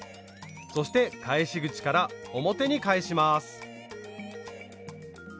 そして返し口から表に返します。